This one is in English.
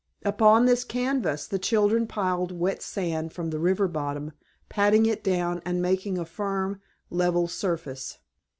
Upon this canvas the children piled wet sand from the river bottom, patting it down and making a firm, level surface.